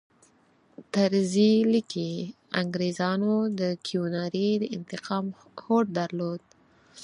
طرزي لیکي انګریزانو د کیوناري د انتقام هوډ درلود.